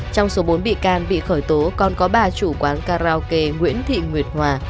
trong số bốn bị can bị khởi tố còn có ba chủ quán karaoke nguyễn thị nguyệt hòa